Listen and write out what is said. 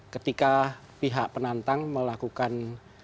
ketika pihak penantang melakukan